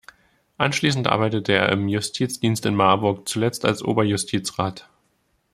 Anschließend arbeitete er im Justizdienst in Marburg, zuletzt als Oberjustizrat.